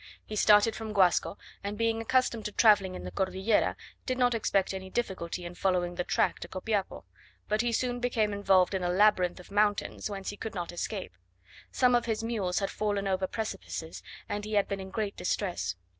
He started from Guasco, and being accustomed to travelling in the Cordillera, did not expect any difficulty in following the track to Copiapo; but he soon became involved in a labyrinth of mountains, whence he could not escape. Some of his mules had fallen over precipices, and he had been in great distress.